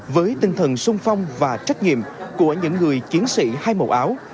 với tinh thần sung phong và trách nhiệm của những người chiến sĩ hai màu áo